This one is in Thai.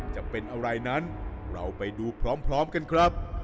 จะเป็นอะไรนั้นเราไปดูพร้อมกันครับ